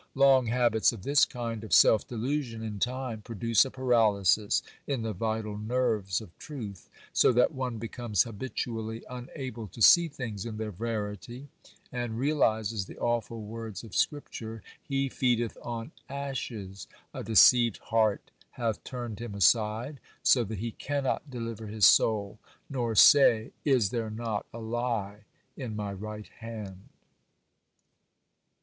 Long habits of this kind of self delusion in time produce a paralysis in the vital nerves of truth, so that one becomes habitually unable to see things in their verity, and realizes the awful words of scripture, 'He feedeth on ashes; a deceived heart hath turned him aside, so that he cannot deliver his soul, nor say, is there not a lie in my right hand?